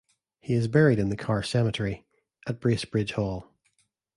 He is buried in the Carr Cemetery at Bracebridge Hall.